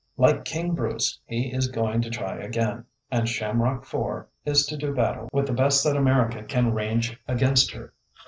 Like King Bruce, he is going to try again, and Shamrock IV. is to do battle with the best that America can range against her.